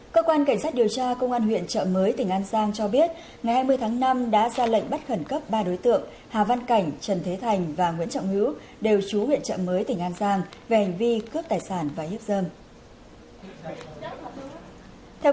cơ quan cảnh sát điều tra công an huyện trợ mới tỉnh an giang cho biết ngày hai mươi tháng năm đã ra lệnh bắt khẩn cấp ba đối tượng hà văn cảnh trần thế thành và nguyễn trọng hữu đều chú huyện trợ mới tỉnh an giang về hành vi cướp tài sản và hiếp dâm